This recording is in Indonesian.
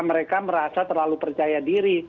mereka merasa terlalu percaya diri